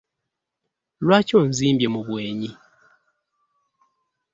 Lwaki onzimbye mu bwenyi?